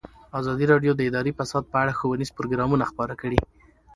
ازادي راډیو د اداري فساد په اړه ښوونیز پروګرامونه خپاره کړي.